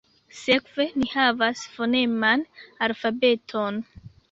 Sekve ni havas foneman alfabeton.